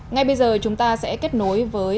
ngay bây giờ chúng ta sẽ kết nối với